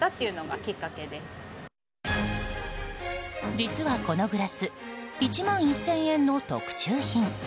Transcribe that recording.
実はこのグラス１万１０００円の特注品。